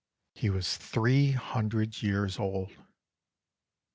He was three hundred years old.